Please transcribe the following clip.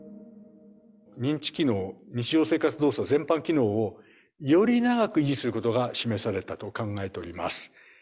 認知機能、日常生活動作全般機能をより長く維持することが示されたと考えております。